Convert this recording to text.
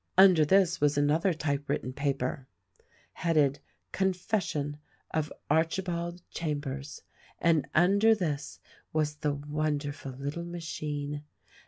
Under this was another typewritten paper, headed, "Con fession of Archibald Chambers," and under this was the wonderful little machine.